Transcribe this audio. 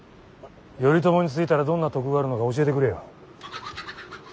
頼朝についたらどんな得があるのか教えてくれよ。